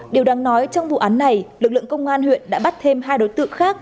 điều đáng nói trong vụ án này lực lượng công an huyện đã bắt thêm hai đối tượng khác